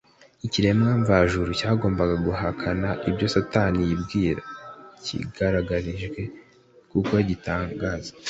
Ikiremwa mvajuru cyagombaga guhakana ibyo Satani yibwira kibigaragarishije gukora igitangaza